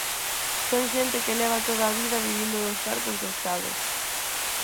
Son xente que leva toda a vida vivindo dos cartos do Estado.